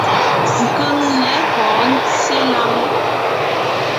Keŋne kɔ̌ɔn ńtyê láŋ.